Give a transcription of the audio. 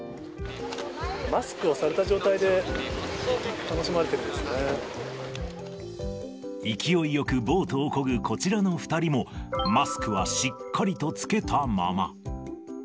マスクをされた状態で、勢いよくボートをこぐこちらの２人も、マスクはしっかりと着けたまま。